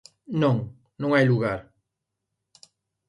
Non, non hai lugar.